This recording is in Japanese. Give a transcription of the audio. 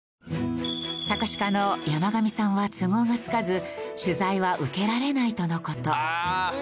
作詞家の山上さんは都合がつかず取材は受けられないとの事。